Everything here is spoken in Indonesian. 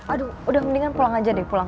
aduh udah mendingan pulang aja deh pulang